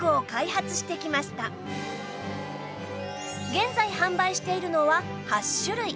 現在販売しているのは８種類